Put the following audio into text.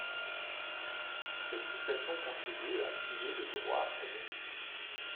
Cette situation contribue à figer le droit canonique.